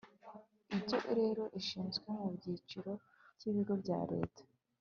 ibyo reco ishyizwe mu cyiciro cy ibigo bya leta